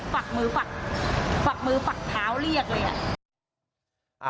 ฝักมือฝักท้าวเรียกเลยอ่ะ